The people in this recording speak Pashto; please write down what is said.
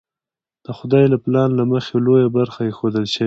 د خدای له پلان له مخې لویه برخه ایښودل شوې.